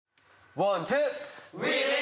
ワンツー。